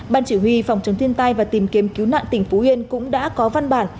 ban chỉ huy phòng chống thiên tai và tìm kiếm cứu nạn tỉnh phú yên cũng đã có văn bản